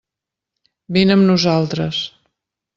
Vine amb nosaltres.